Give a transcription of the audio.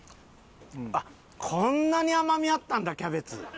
あっこんなに甘みあったんだキャベツ。